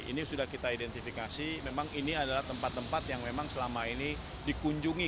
ini sudah kita identifikasi memang ini adalah tempat tempat yang memang selama ini dikunjungi